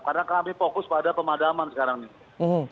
karena kami fokus pada pemadaman sekarang nih